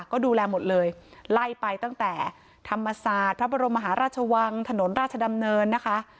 ก็ดูแลหมดเลยไล่ไปตั้งแต่ธรรมศาสตร์พระบรมมหาราชวังถนนราชดำเนินนะคะ